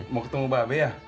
mau ketemu babe ya